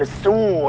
tidak tuan odaikan